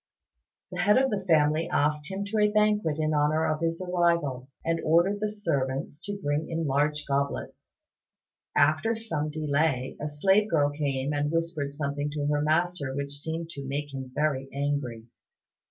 The head of the family asked him to a banquet in honour of his arrival, and ordered the servants to bring in the large goblets. After some delay a slave girl came and whispered something to her master which seemed to make him very angry.